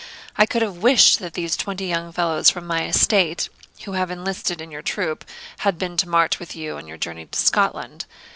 I could have wished that these twenty young fellows from my estate, who have enlisted in your troop, had been to march with you on your journey to Scotland.